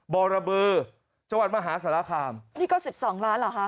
บรบราบือจังหวัดมหาศาลาคาร์มนี่ก็๑๒ล้านหรอคะ